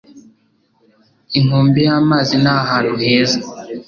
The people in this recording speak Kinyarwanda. Inkombe y'amazi ni ahantu heza.